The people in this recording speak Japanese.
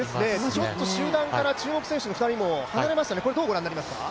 ちょっと集団から注目選手の２人も離れましたね、これ、どうご覧になりますか？